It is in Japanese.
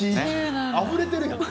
あふれてるやん。